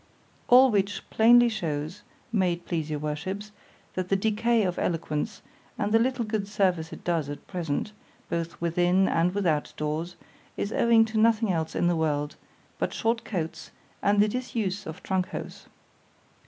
—All which plainly shews, may it please your worships, that the decay of eloquence, and the little good service it does at present, both within and without doors, is owing to nothing else in the world, but short coats, and the disuse of _trunk hose.